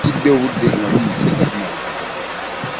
Yajjukidde obudde buyise nga tumaliriza.